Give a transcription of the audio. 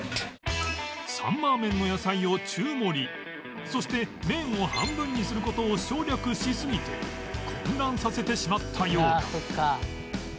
サンマーメンの野菜を中盛そして麺を半分にする事を省略しすぎて混乱させてしまったようだ